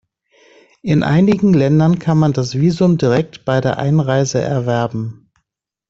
In einigen Ländern kann man das Visum direkt bei der Einreise erwerben.